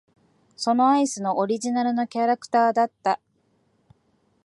そのアイスのオリジナルのキャラクターだった。